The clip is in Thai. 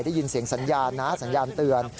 ได้ยินเสียงสัญญาณนะสัญญาณเตือน